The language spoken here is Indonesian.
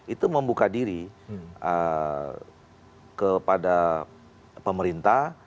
itu membuka diri kepada pemerintah